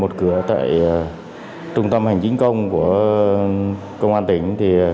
một cửa tại trung tâm hành chính công của công an tỉnh